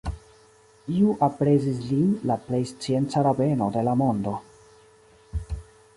Iu aprezis lin la plej scienca rabeno de la mondo.